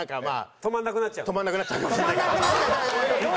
止まらなくなっちゃう。